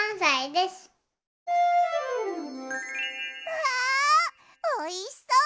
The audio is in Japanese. うわおいしそう！